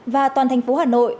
và toàn thành phố hà nội